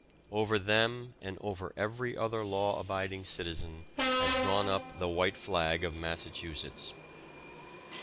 Over them and over every other law abiding citizen has gone up the white flag of Massachusetts.